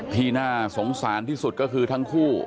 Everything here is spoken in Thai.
ที่น่าสงสารที่สุดก็คือทั้งคู่